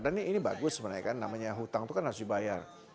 dan ini bagus sebenarnya kan namanya hutang itu kan harus dibayar